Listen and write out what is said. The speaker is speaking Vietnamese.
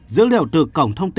dữ liệu từ cổng thông tin